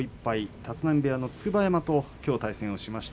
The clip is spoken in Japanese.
立浪部屋の筑波山ときょう対戦しました。